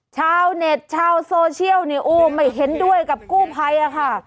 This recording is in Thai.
ชาวเน็ตชาวโซเชียลเนี่ยโอ้ไม่เห็นด้วยกับกู้ภัยอะค่ะ